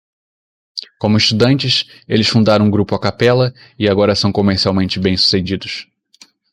Como estudantes, eles fundaram um grupo a capella e agora são comercialmente bem-sucedidos.